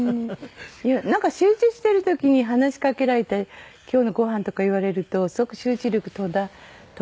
いやなんか集中してる時に話しかけられて今日のごはんとか言われるとすごく集中力途切れるので。